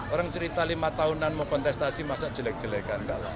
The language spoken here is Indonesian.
orang cerita lima tahunan mau kontestasi masa jelek jelekan kalah